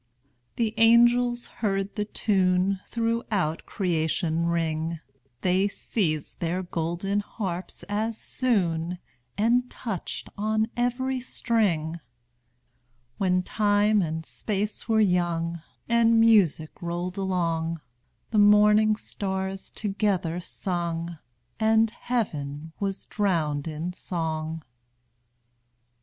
The angels heard the tune Throughout creation ring; They seized their golden harps as soon, And touched on every string. When time and space were young, And music rolled along, The morning stars together sung, And heaven was drowned in song.